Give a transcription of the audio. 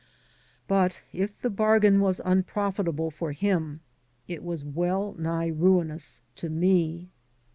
But if the bargain was unprofitable for him, it was well nigh ruinous to me.